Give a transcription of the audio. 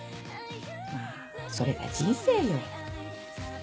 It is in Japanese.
まぁそれが人生よ。